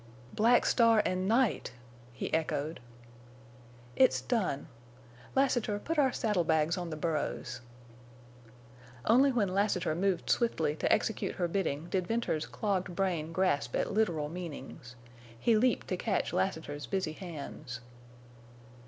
"Black Star and Night!" he echoed. "It's done. Lassiter, put our saddle bags on the burros." Only when Lassiter moved swiftly to execute her bidding did Venters's clogged brain grasp at literal meanings. He leaped to catch Lassiter's busy hands.